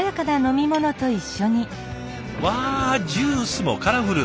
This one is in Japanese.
うわジュースもカラフル！